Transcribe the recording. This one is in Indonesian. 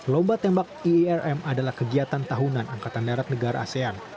lomba tembak ierm adalah kegiatan tahunan angkatan darat negara asean